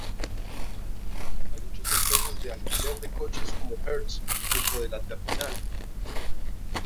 Hay muchas empresas de alquiler de coches como Hertz dentro de la terminal.